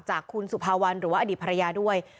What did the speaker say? จากคุณสุภาวันหรือว่าอดีตภรรยาด้วย